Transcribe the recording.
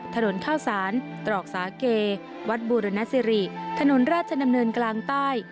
ถนนข้าวสารตรอกสาเกวัดบูรณสิริถนนราชดำเนินกลางใต้